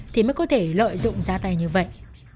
thì mới có thể lợi dụng ra tay như vậy